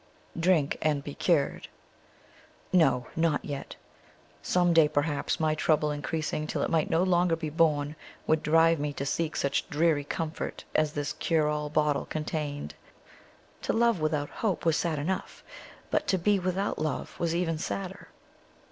Drink and be cured. No, not yet. Some day, perhaps, my trouble increasing till it might no longer be borne, would drive me to seek such dreary comfort as this cure all bottle contained. To love without hope was sad enough, but to be without love was even sadder.